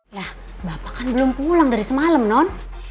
ya bapak kan belum pulang dari semalam non